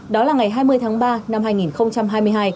đó là ngày hai mươi tháng ba năm hai nghìn hai mươi hai